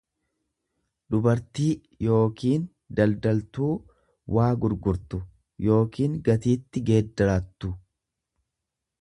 dubartii yookiin daldaltuu waa gurgurtu yookiin gatiitti geeddarattu.